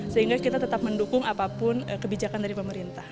sehingga kita tetap mendukung apapun kebijakan dari pemerintah